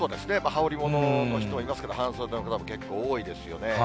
羽織りものの人もいますけれども、半袖の方も結構多いですよね。